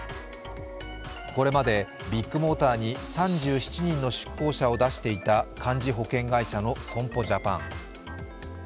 これまでビッグモーターに３７人の出向者を出していた幹事保険会社の損保ジャパン。